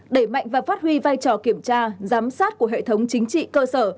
đẩy mạnh và phát huy vai trò kiểm tra giám sát của hệ thống chính trị cơ sở